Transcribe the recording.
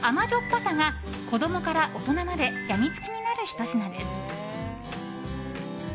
ぱさが子供から大人まで病み付きになるひと品です。